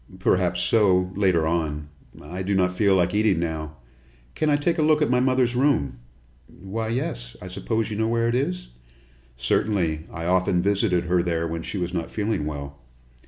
"Perhaps so, later on. I do not feel like eating now. Can I take a look at my mother's room?" "Why, yes. I suppose you know where it is?" "Certainly; I often visited her there when she was not feeling well."